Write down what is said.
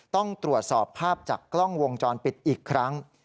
ต้องตรวจสอบภาพจากกล้องวงจรปิดอีกครั้ง